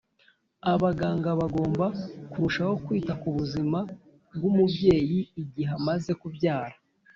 Abaganga bagomba kurushaho kwita ku buzima bwumubyeyi igihe amaze kubyara